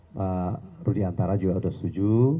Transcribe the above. pak rudiantara juga sudah setuju